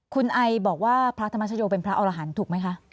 คุณไอบอกว่าพระธรรมชโยเป็นพระอรหันต์ถูกไหมคะ